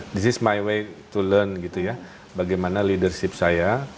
ini cara saya untuk belajar gitu ya bagaimana leadership saya